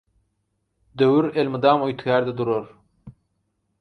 “Döwür elmydama üýtgär-de durar